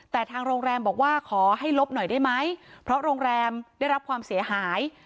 แต่ทางโรงแรมบอกว่าขอให้ลบหน่อยได้ไหมเพราะโรงแรมได้รับความเสียหาย